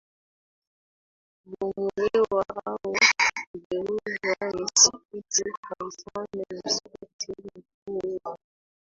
kubomolewa au kugeuzwa misikiti Kwa mfano msikiti mkuu wa